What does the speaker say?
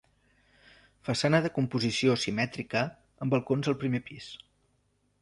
Façana de composició simètrica amb balcons al primer pis.